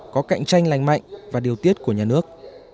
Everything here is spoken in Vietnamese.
có cạnh tranh lành mạnh và điều tiết của nhà nước